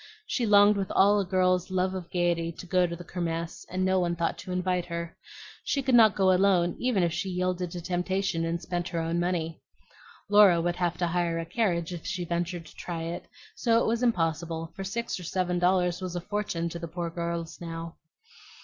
She longed with all a girl's love of gayety to go to the Kirmess, and no one thought to invite her. She could not go alone even if she yielded to temptation and spent her own money. Laura would have to hire a carriage if she ventured to try it; so it was impossible, for six or seven dollars was a fortune to the poor girls now.